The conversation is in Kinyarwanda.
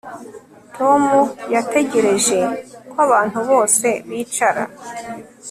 Tom yategereje ko abantu bose bicara